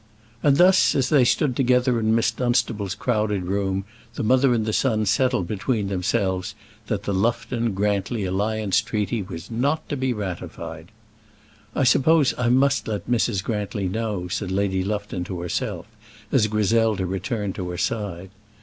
And thus, as they stood together in Miss Dunstable's crowded room, the mother and son settled between themselves that the Lufton Grantly alliance treaty was not to be ratified. "I suppose I must let Mrs. Grantly know," said Lady Lufton to herself, as Griselda returned to her side.